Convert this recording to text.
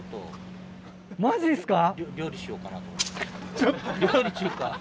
マジっすか。